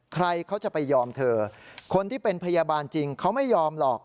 ใครเขาจะไปยอมเธอคนที่เป็นพยาบาลจริงเขาไม่ยอมหรอก